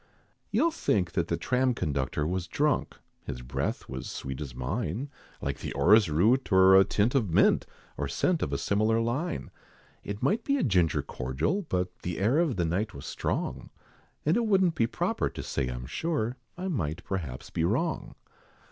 You'll think the tram conductor was drunk, His breath was sweet as mine, Like the orris root, or a tint of mint, Or scent of a similar line. It might be a ginger cordial; but The air of the night was strong, And it wouldn't be proper to say I'm sure, I might perhaps be wrong.